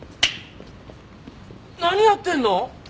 何やってるの？